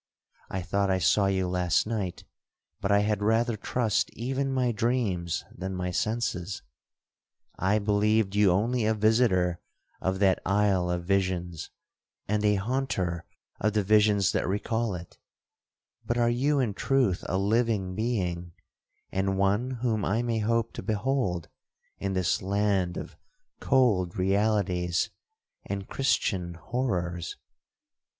I thought I saw you last night, but I had rather trust even my dreams than my senses. I believed you only a visitor of that isle of visions, and a haunter of the visions that recall it—but are you in truth a living being, and one whom I may hope to behold in this land of cold realities and Christian horrors?'